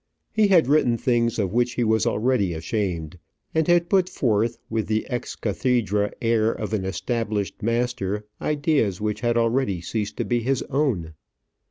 He had written things of which he was already ashamed, and had put forth with the ex cathedra air of an established master ideas which had already ceased to be his own.